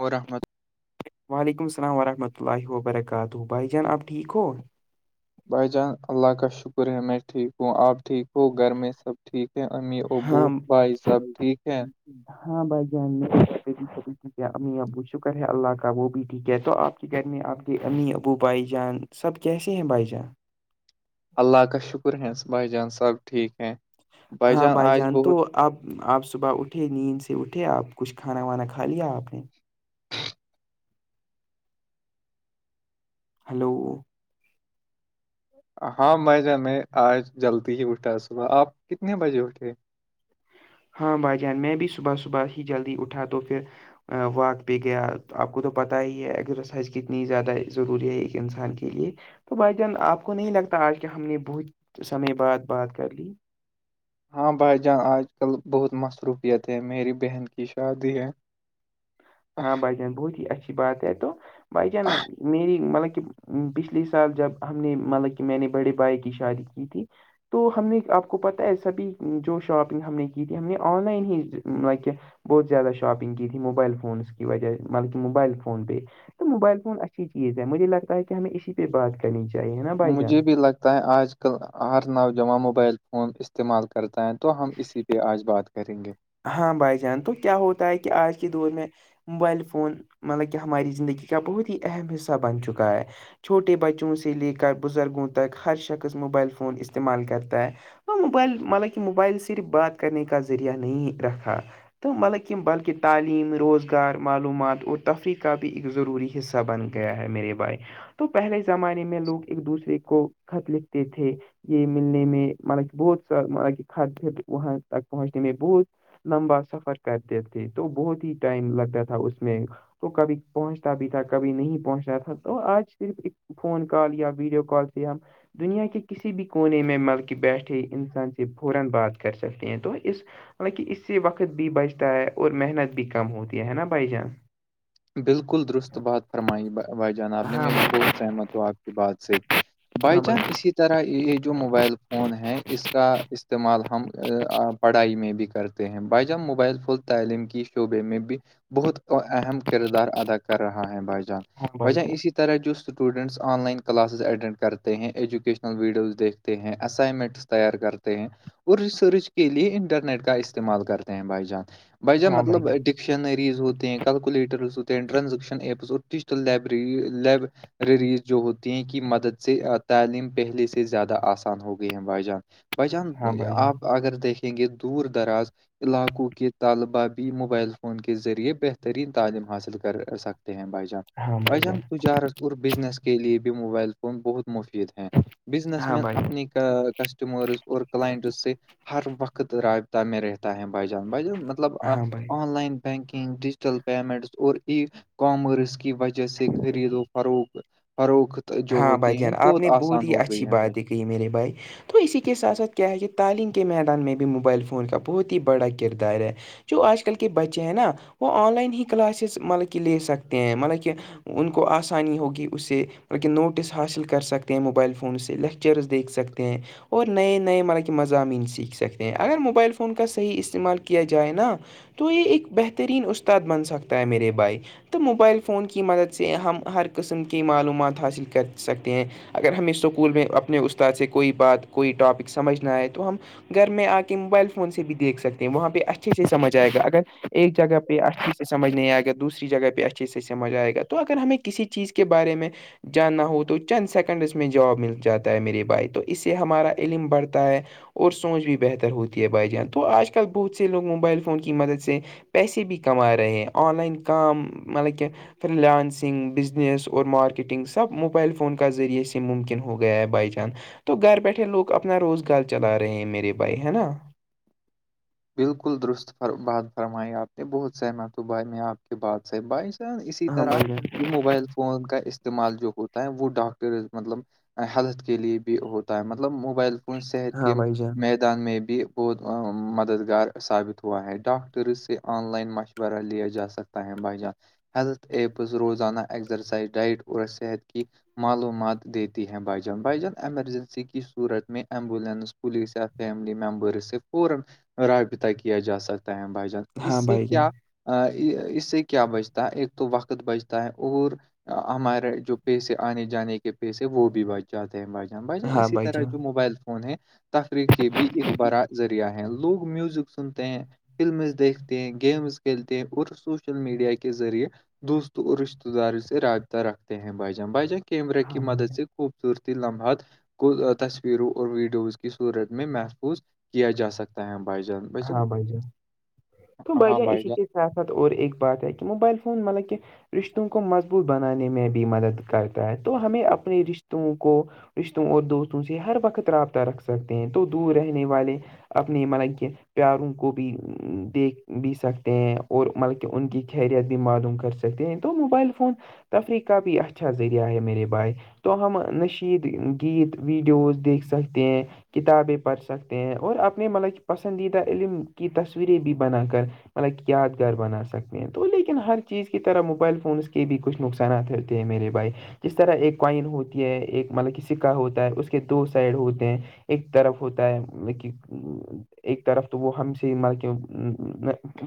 اور رحمد وعلیکم السلام ورحمۃ اللہ وبرکاتہ بھائی جان آپ ٹھیک ہو بھائی جان اللہ کا شکر ہے میں ٹھیک ہوں آپ ٹھیک ہو گھر میں سب ٹھیک ہے امی ابو بھائی سب ٹھیک ہے ٹھیک ہاں بھائی جان ٹھیک امی ابو شکر ہے اللہ کا وہ بھی ٹھیک ہے تو آپ کہ کرنے آپ کے امی ابو بھائی جان سب کیسے ہیں بھائی جان اللہ کا شکر ہے بھائی جان سب ٹھیک ہیں بھائی ہاں جان آج تو بہت آپ آپ صبح اٹھے نیند سے اٹھے آپ کچھ کھانا وانا کھا لیا آپ نے ہلو ہاں میں ج میں آج جلدی ہی اٹھا ہے صبح آپ کتنے بجے اٹھے ہاں بھائی جان میں بھی صبح صبح ہی جلدی اٹھا تو پھر واک پہ گیا آپ کو تو پتاہ ہی ہے ایکزرسائز کتنی زیادہ ضروری ہے ایک انسان کے لیے تو بھائی جان آپ کو نہیں لگتا آج کے ہم نے بہت سمے بعد بات کر لی ہاں بھائی جان آج کل بہت مصروفیت ہے میری بہن کی شادی ہے ہاں بھائی جان بہت ہی اچھی بات ہے تو بھ جان میری مطلب کہ پچھلے سال جب ہم نے مطلب کہ میں نے بڑے بھائی کی شادی کی تھی تو ہم نے آپ کو پتہ ہے سابھی جو شاپنگ ہم نے کی تھی ہم نے آن لائن ہی کیا بہت زیادہ شاپنگ کی تھی موبائل فونس کی وجہ ملہ موبائل فون پہ تو موبائل فون اچھی چیز ہے مجھے لگتا ہے کہ ہمیں اسی پ بات کرنی چاہیے نا بھائی جان مجھے بھی لگتا ہے آج ک آ کل ہر نوجواں موبائل فون استعمال کرتا ہے تو ہم اسی پہ آج بات کریں گے ہاں بھائی جان تو کیا ہوتا ہے کہ آج کے دور میں موبائل فون مطلب کہ ہماری زندگی کا بہت ہی اہم حصہ بن چکا ہے چھوٹے بچوں سے لے کر بزرگوں تک ہر شخص موبائل فون استعمال کرتا ہے اور موبائل مالا کہ موبائل صرف بات کرنے کا ذریعہ نہیں رکھا تو ملک بلکہ تعلیم روزگار معلومات اور تفریح کا بھی ایک ضروری ہے حصہ بن گیا ہے میرے بھائی تو پہلے زمانے میں لوگ ایک دوسرے کو خط لکھتے تھے یہ ملنے میں مطب کی بہت سا مط کی کھاد پ وہاں تک پہنچنے میں بہت لمبا سفر کرتے تھے تو بہت ہی ٹائم لگتا تھا اس میں تو کبھی پہنچتا بھی تھا کبھی نہیں پہنچتا تھا تو آج صرف فون کال یا ویڈیو کال سے ہم دنیا کے کسی بھی کونے میں مل کے بیٹھے انسان سے فورن بات کر سکتے ہیں تو اس حالانکہ اس سے وقت بھی بچتا ہے اور محنت بھی کم ہوتی ہے نا بھائی جان بالکل درست بات فرمائی بھائی جان آپ نے ہاں میں بہت سہمت ہوں آپ کی بات سے بائی بھائی چان اسی طرح یہ جو موبائل فون ہے اس کا استعمال ہم پڑھائی میں بھی کرتے ہیں بائی جان موبائل فول تعلیم کی شعبے میں بھی بہت اہم کردار ادا کر رہا ہے بھائی جان ہاں بھائی بھجان اسی طرح طرح جو students online classes attend کرتے ہیں ایجوکیشنل ویڈیوز دیکھ ہیں اسائنمنٹس تیار کرتے ہیں اور ریسرچ کے لیے انٹرنیٹ کا استعمال کرتے ہیں بھائی جان بھج ہاں بھائی مطلب جان ڈکشنریز ہوتے ہیں کیلکولیٹر ٹرانزکشن ایپسز اور ڈجٹل لیبری لیب ریریز جو ہوتی ہیں کہ مدد سے تعلیم پہلے سے زیادہ آسان ہو گئی ہیں بھائی جان بھائی جان ہاں بھائی جان آپ اگر دیکھیں گے دور دراز علاقوں کے طالبہ بھی موبائل فون کے ذریعے بہترین تعلیم حاصل کر سکتے ہیں بھائی جان بھائی جان ت جا رہ اور بزنس کے لیے بھی موبائل فون بہت مفید ہیں بزنس ہاں مین بھائی اپنے کسٹمرس اور کلائنٹس سے ہر وقت رابطہ میں رہتا ہے بھجان بھائیجان مطلب ہاں بھائی online banking digital payments اور ای کامرس کی وجہ سے خریدوں فروخت جو ہاں بھائی ہوتی ہیں جان آپ نے بہت آسان ہی ہو گئی اچھی ہے ہماری باتیں کہ میرے بھائی تو اسی کے ساتھ ساتھ کیا ہے کہ تعلیم کے میدان میں بھی موبائل فون کا بہت ہی بڑا کردار ہے جو آج کل کے بچے ہیں نا وہ آن لائن ہی کلاسز مطلب کہ لے سکتے ہیں مطلب کہ ان کو آسانی ہوگی اس سے بکہ نوٹس حاصل کر سکتے ہیں موبائل فون سے لیکچرز دیکھ سکتے ہیں اور نئے نئے مارا کہ مضامین سیکھ سکتے ہیں اگر موبائل فون کا صحیح استعمال کیا جائے نا تو یہ ایک بہترین استاد بن سکتا ہے میرے بھائی تو موبائل فون کی مدد سے ہم ہر قسم کی معلومات حاصل کر سکتے ہیں اگر میں اسکول میں اپنے استاد سے کوئی بات کوئی ٹاپک سمجھنا آئے تو ہم گھر میں آ کے موبائل فون سے بھی دیکھ سکتے ہیں وہاں پہ اچھے سے سمجھ آئے گا اگر ایک جگہ پہ اچھی سمجھ نہیں آئے گا دوسری جگہ پہ اچھے سے سمجھ آئے گا تو اگر ہمیں کسی چیز کے بارے میں جانا ہو تو چند سیکنڈس میں جاب مل جاتا ہے میرے بھائی تو اس سے ہمارا علم بڑھتا ہے اور سوچ بھی بہتر ہوتی ہے بھائی جان تو آج کل بہت سے لوگ موبائل فون کی مدد سے پیسے بھی کما رہے ہیں آن لائن کام مطلب کہ فرلانسنگ بزنس اور مارکیٹنگ سے سب موبائل فون کا ذریعے سے ممکن ہو گیا ہے بائی چانس تو گھر بیٹھے لوگ اپنا روزگار چلا رہے ہیں میرے بھائی ہے نا بالکل درست بد فرمائی آپ نے بہت سہمت ہو بھائی میں آپ کے بعد سےاہ باعث اسی ہاں طرح بھائی جان یہ موبائل فون کا استعمال جو ہوتا ہے وہ ڈاکٹرز مطلب ہیلتھ کے لئے بھی ہوتا ہے مطلب موبائل صحت کے ہاں بھائی جان میدان میں بھی بہت م مددگار ثابت ہوا ہے ڈاکٹر سے آن لائن مشورہ لیا جا سکتا ہے بھائی جان ہیلتھ ایپس روزانہ ایگزرسائز ڈائٹ اورور صحت کی معلومات دیتی ہیں بھ جان بھائی جان ایمرجنسی کی صورت میں ایمبولینس پولیسیا فیملی ممبرس سے پورا رابطہ کیا جا سکتا ہے بھائی جان اس ہاں سے بھائی جان کیا اس سے کیا بچتا ہے ایک تو وقت بجتا ہے اور ہمارے جو پیسے آنے جانے کے پیسے وہ بھی باجی چاہتے ہیں بھائی جان بھائی جان ہاں اسی بھائی طرح جان جو موبائل ف تفریح کے بھی ایک بڑا ذریعہ ہے لوگ میوزک سنتے ہیں فلمز دیکھتے ہیں گیمز کھیلتے ہیں اور سوشل میڈیا کے ذریعے دوستوں اور رشتتے داروں سے رابطہ رکھتے ہیں بائی جان بائیجان کیمرہ کی ہاں بھائی مدد جان سے خوبصورتی لمحات کو تصویروں اور ویڈیوز کی صورت میں محفوظ کیا جا سکتا ہے بھائی جان ہاں بھائی جان تو بھائی جان اسی کے سات سات اور ایک بات ہے کہ موبائل فون مطلب کہ رشتوں کو مضبوط بنانے میں بھی مدد کرتا ہے تو ہمیں اپنے رشتوں کو رشتوں اور دوستوں سے ہر وقت رابطہ رکھ سکتے ہیں تو دور رہنے والے آپنی مان گے پیاروں کو بھی دیکھ بھی سکتے ہیں اور بلکہ ان کی خیریت بھی معلوم کر سک س تو موبائل فون تفریح کا بھیی اچھا ذریعہ ہے میرے بائے تو ہم نشید گیت ویڈیوز دیکھ سکتے ہیں کتابیں پڑھ سکتے ہیں اور اپنے ملب پسندیدہ علم کی تصویریں بھی بنا کر [unintelligible] مطلب یادگار بنا سکتے ہیں تو لیکن ہر چیز کی طرح موبائل فونس کے بھی کچھ نقصانات ہوتے ہیں میرے بھائی جس طرح ایک کوائن ہوتی ہے ایک مطلب کہ سکہ ہوتا ہے اس کے دو سائڈ ہوتے ہیں ایک طرف ہوتا ہے ایک طرف تو وہ ہم سے ہی ملک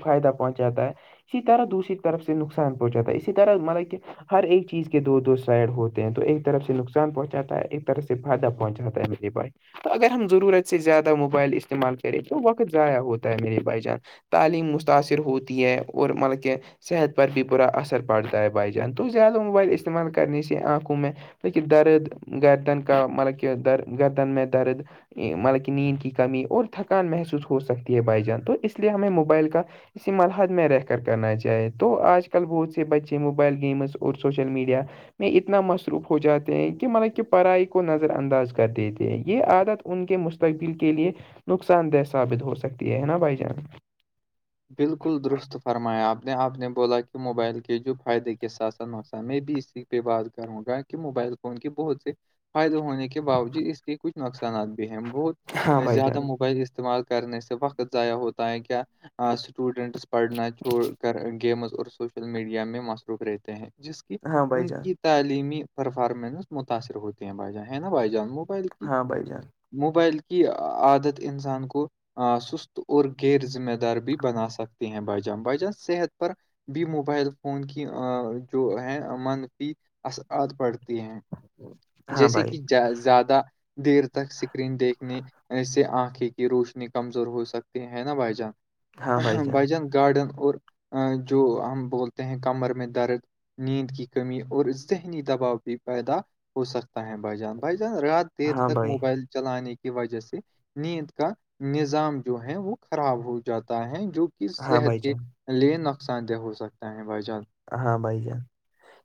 فائدہ پہنچاتا ہے اسی طرح دوسری طرف سے نقصانہنچا ہے اسی طرح مطلب کہ ہر ایک چیز کے دو دو سائڈ ہوتے ہیں تو ایک طرف سے نقصان پہنچاتا ہے ایک طرف سے فائدہ پہنچاتا اگر ہم ضرورت سے زیادہ موبائل استعمال کریں تو وقت ضائع ہوتا ہے میرے بھائی جان تعلیم متاثر ہوتی ہے اور مطلب کہ صحت پر بھی پورا اثر پڑتا ہے بھائی جان تو زیادہ موبائل استعمال کرنے سے آنکھوں میں لیکن درد گر تن کا مطلب کہ در گرتا میں درد مطلب کہ نیند کی کمی اور تھکان محسوس ہو سکتی ہے بھائی جان تو اس لیے ہمیں موبائل کا اسی مرحت میں رہ کر کرنا چاہے تو آج کل بہت سے بچے موبائل گیمز اور سوشل میڈیا میں اتنا مصروف ہو جاتے ہیں کہ مطلب کہ پڑھائی کو نظر انداز کر دیتے ہیں یہ عادت ان کے مستقبل کے لیے نقصان دہ ثابت ہو سکتی ہے نا بھائی جان بالکل درست فرمایا آپ نے آپ نے بولا کہ موبائل کے جوگ فائدے کے سات ساتھ نقصان میں بھی اسی پہ بات کروں گا کہ موبائل فون کی بہت سے فائدے ہونے کے باوجود اس کے کچھ نقصانات بھی ہیں بہت ہاں بھائی زیادہ جان موبائل استعمال کرنے سے وقت ضائع ہوتا ہے کیا اسٹوڈنٹس پڑھنا چھوڑ کر گیمز اور سوشل میڈیا میں مصروف رہتے ہیں جس کی ہاں بھائی ان جان کی تعلیمی پرفارمنس متاثر ہوتے ہیں بھائی جان ہے نا بھائی جان وہ بالک ہاں بھائی جان [unintelligible] موبائل کی عادت انسان کو سست اور غیر ذمہ دار بھی بنا سکتے ہیں بائیجان بائیجان صحت پر [unintelligible] بھی موبائل فون کی جو ہے منفی اثرات پڑتی ہیں ہاں جیسے بھائی کہ زیادہ دیر تک اسکرین دیکھنے اس سے آنکھیں کی روشنی کمزور ہو سکتی ہے نا بھائی جان ہاں بھائی جان بھجن گارڈن اور جو ہم بولتے ہیں کمر میں درد [unintelligible] نیند کی کمی اور ذہنی دباؤ بھی پیدا ہو سکتا ہے بھائی جان بھائی جان رات دیر ہاں تک بھائی موبائل چلانے کی وجہ سے نیند کا نظام جو ہے وہ خراب ہو جاتا ہے جو کہ ہاں صحت بھائی کے جان لیے نقصان دہ ہو سکتا ہے بھائی جان ہاں بھائی جان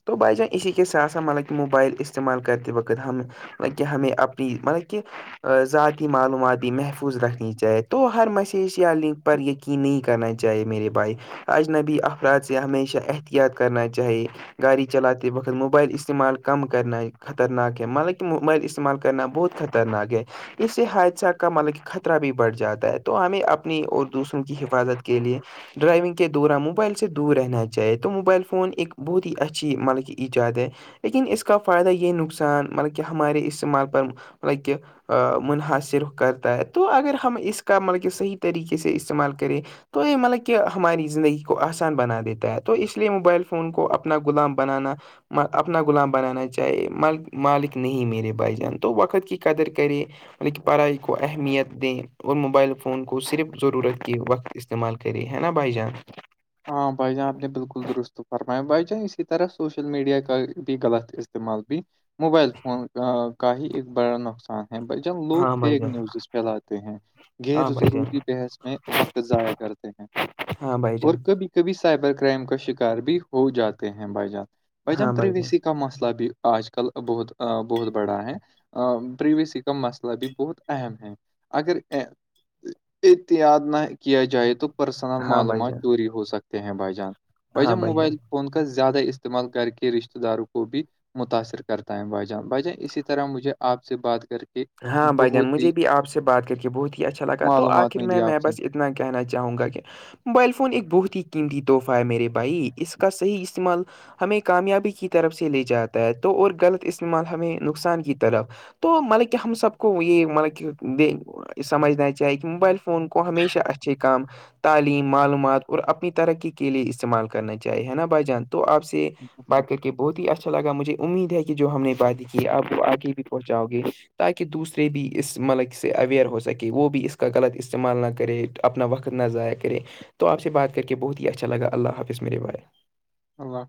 تو بھائی جان اسی کے ساتھ س مطب کہ موبائل استعمال کرتے وقت ہم [unintelligible] مطب کہ ہمیں اپنی مطلب کہ [unintelligible] ذاتی معلوماتی محفوظ رکھنی چاہے تو ہر مسیج یا لنک یقین نہیں کرنا چاہیے میرے بھائی اجنبی افراد سے ہمیشہ احت یاد کرنا چاہیے گاڑی چلاتے کے وقت موبائل استعمال کم کرنا خطرناک ہے حالانکہ موبائل استعمال کرنا بہت خطر تنگے [unintelligible] اس سے حادثہ کا مطلب کہ خطرہ بھی بڑھ جاتا ہے تو ہمیں اپنی اور دوسروں کی حفاظت کے لیے ڈرائیونگ کے دوران موبائل سے دور رہنا چاہتے تو موبائل فون ایک بہت ہی اچھی مطلب کہ ایجاد ہے لیکن اس کا فائدہ یہ نقصان مطلب کہ ہمارے استعمال پر مطلب کہ منحصر کرتا ہے تو اگر ہم اس کا مطلب کہ صحیح طریقے سے استعمال کریں [unintelligible] تو یہ مطلب کہ ہماری زندگی کو آسان بنا دیتا ہے تو اس لیے موبائل فون کو اپنا غلام بنانا اپنا غلام بنانا چاہے مالک نہیں میرے بھائی جان تو وقت کی قدر کرے م کی پڑھائی کو اہمیت دیں اور موبائل فون کو صرف ضرورت کے وقت استعمال کریے ہے نا بائی جان ہاں بھائی جان آپ نے بالکل درست فرمایا بھائی جان اسی طرح سوشل میڈیا کا بھی غلط استعمال بھی موبائل فون کا ایکق بڑا نقصان بھائی جان لوگ ہاں بھائی فیک جان نیوزز پھیلاتے ہیں غیر ہاں بھائی جان ضروری بحث میں وقت ضائع کرتے ہیں ہاں بھائی اور جان کبھی کبھی سائبر کرائم کا شکار بھی ہو جاتے ہیں بھ جان بائیجان ہاں بھائی جان پرویش کا مسئلہ بھی آج کل بہت بہت بڑا ہے پریویسی کا مسئلہ بھی بہت اہم ہے اگر احتیاط نہ کیا جائے تو پرسنل ہاں بھائی معلومات جان چوری ہو سکتے ہیں بھائی جان بھائی جان موبائل کا زیادہ استعمال گھر کے رشتتے داروں کو بھی متاثر کرتا ہے بھ جان بائیجان اسی طرح مجھے آپ سے بات کر کے [unintelligible] ہاں بھائی جان بہت مجھے ہی بھی آپ سے بات کر کے بہت ہی اچھا لگا تو معلومات آخر میں ملی میں آپ سے بس اتنا کہنا چاہوں گا کہ موبائل فون ایک بہت ہی قیمتی تحفہ ہے میرے بھائی اس کا صحیح استعمال ہمیں کامیابی کی طرف سے لے جاتا ہے تو اور غلط استعمال ہمیں نقصان کی طرف تو مطلب کہ ہم سب کو یہ مطلب کہ د سمجھنا چاہیے کہ موبائل فون کوون ہمیشہ اچے کام تعلیم معلومات اور اپنی ترقی کے لیے استعمال کرنا چاہی ہے نا بھائی جان تو آپ سے ب ک کہ بہت ہی اچھا لگا مجھے امید ہے کہ جو ہم نے بادی کی ہے آپ وہ آگے بھی پہنچاؤ گے تاکہ دوسرے بھی اس ملک سے اویئر ہو سکے وہ بھی اس کا غلط استعمال نہ کرے اپنا وقت نہ ضائع کرے تو آپ سے بات کر کے بہت ہی اچھا لگا اللہ حافظ میرے بائے اللہ